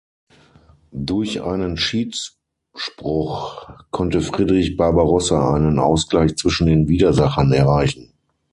Durch einen Schiedsspruch konnte Friedrich Barbarossa einen Ausgleich zwischen den Widersachern erreichen.